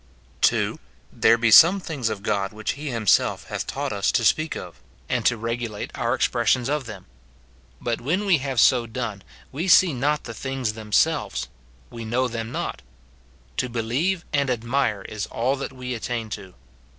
[2.] There be some things of God which he himself hath taught us to speak of, and to regulate our expres sions of them ; but when we have so done, we see not the things themselves ; we know them not. To believe and admire is all that we attain to.